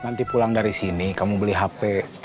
nanti pulang dari sini kamu beli hp